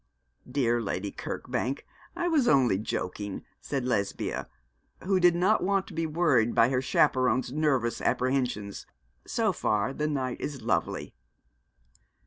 'Dear Lady Kirkbank, I was only joking,' said Lesbia, who did not want to be worried by her chaperon's nervous apprehensions: 'so far the night is lovely.'